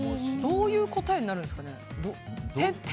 どういう答えになるんですかね。